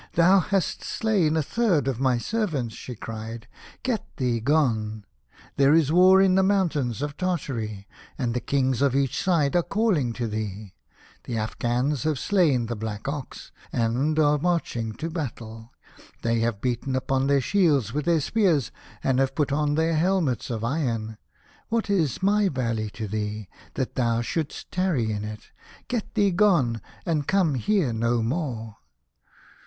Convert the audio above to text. " Thou hast slain a third of my ser vants," she cried, "get thee gone. There is war in the mountains of Tartary, and the kinors of each side are callinor to thee. The o o Afghans have slain the black ox, and are !5 A House of Pomegranates. marching to battle. They have beaten upon their shields with their spears, and have put on their helmets of iron. What is my valley to thee, that thou should'st tarry in it ? Get thee gone, and come here no more."